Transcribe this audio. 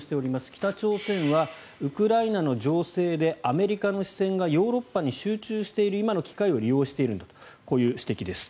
北朝鮮はウクライナの情勢でアメリカの視線がヨーロッパに集中している今の機会を利用しているんだというこういう指摘です。